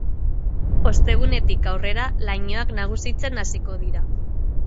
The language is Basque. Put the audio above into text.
Ostegunetik aurrera lainoak nagusitzen hasiko dira.